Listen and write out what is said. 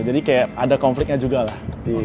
jadi kayak ada konfliknya juga lah